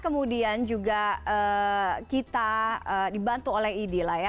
kemudian juga kita dibantu oleh idi lah ya